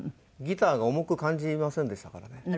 ギターが重く感じませんでしたからね。